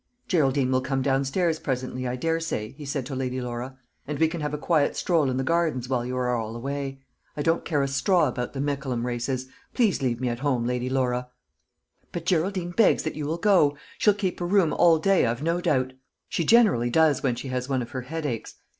"Geraldine will come downstairs presently, I daresay," he said to Lady Laura, "and we can have a quiet stroll in the gardens, while you are all away. I don't care a straw about the Mickleham races. Please leave me at home, Lady Laura." "But Geraldine begs that you will go. She'll keep her room all day, I've no doubt; she generally does, when she has one of her headaches.